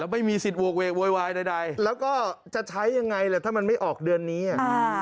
แล้วไม่มีสิทธิ์โว้ยวายใดใดแล้วก็จะใช้ยังไงแหละถ้ามันไม่ออกเดือนนี้อ่ะ